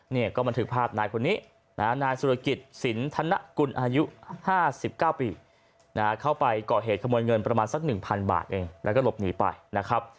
เนี่ยก็บันทึกภาพนายคนนี้นะฮะนายสุรกิจสินธนกุลอายุ๕๙ปีเข้าไปก่อเหตุขโมยเงินประมาณสัก๑๐๐บาทเองแล้วก็หลบหนีไปนะครับ